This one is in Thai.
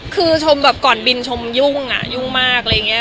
คือชมก่อนบินชมยุ่งอะยุ่งมาก